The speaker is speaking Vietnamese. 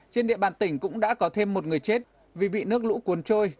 trên địa bàn tỉnh cũng đã có thêm một người chết vì bị nước lũ cuốn trôi